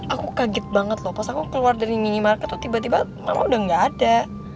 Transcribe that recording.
aku kaget banget loh pas aku keluar dari minimarket tuh tiba tiba memang udah gak ada